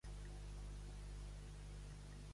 Però quina pàgina encara no?